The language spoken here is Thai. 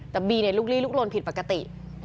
แต่บีลุกลีลุกลนผิดปกติ